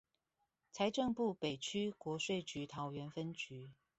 財政部北區國稅局桃園分局